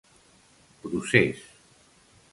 Procés: